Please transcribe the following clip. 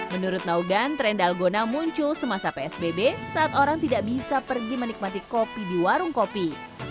menurut naugan tren dalgona muncul semasa psbb saat orang tidak bisa pergi menikmati kopi di warung kopi